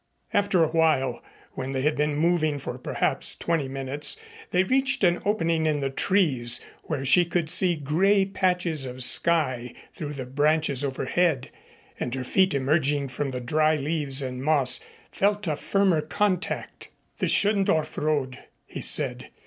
After a while, when they had been moving for perhaps twenty minutes, they reached an opening in the trees where she could see gray patches of sky through the branches overhead, and her feet emerging from the dry leaves and moss felt a firmer contact. "The Schöndorf road," he said.